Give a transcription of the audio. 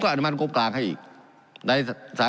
การปรับปรุงทางพื้นฐานสนามบิน